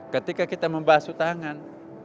ketika kita membasu tangan